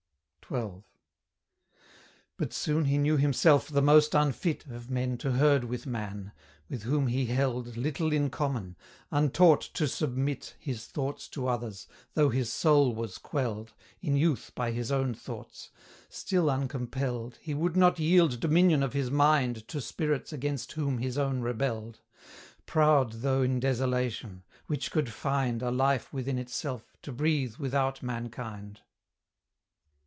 XII. But soon he knew himself the most unfit Of men to herd with Man; with whom he held Little in common; untaught to submit His thoughts to others, though his soul was quelled, In youth by his own thoughts; still uncompelled, He would not yield dominion of his mind To spirits against whom his own rebelled; Proud though in desolation; which could find A life within itself, to breathe without mankind.